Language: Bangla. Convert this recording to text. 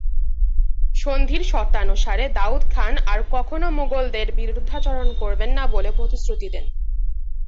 সন্ধির শর্তানুসারে দাউদ খান আর কখনও মুগলদের বিরুদ্ধাচরণ করবেন না বলে প্রতিশ্রুতি দেন।